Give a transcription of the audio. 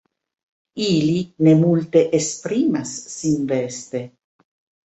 Ili ne multe esprimas sin veste.